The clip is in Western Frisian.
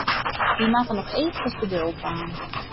Wy moatte noch eefkes geduld dwaan.